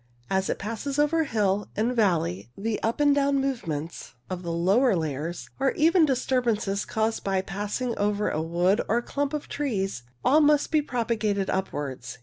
As it passes over hill and valley the up and down movements of the lower layers, or even the disturbances caused by passing over a wood or clump of trees, all must be propa gated upwards.